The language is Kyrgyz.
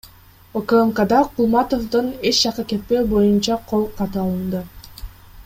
УКМКда Кулматовдон эч жакка кетпөө боюнча кол каты алынды.